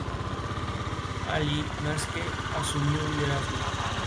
Tras esto, Perceval acude al castillo del Grial, donde habita el Rey Pescador.